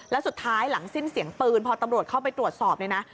แล้วสุดท้ายหลังสิ้นเสียงปืนพอตำรวจเข้าไปตรวจสอบเนี่ยนะ